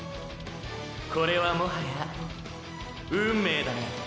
これはもはや――運命だな。